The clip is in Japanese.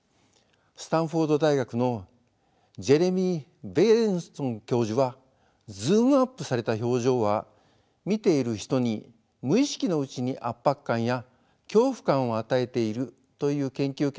スタンフォード大学のジェレミー・ベイレンソン教授はズームアップされた表情は見ている人に無意識のうちに圧迫感や恐怖感を与えているという研究結果を発表しています。